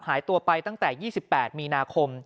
หายตัวไปตั้งแต่๒๘มีนาคม